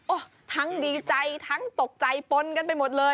ทั้งดีใจทั้งตกใจปนกันไปหมดเลย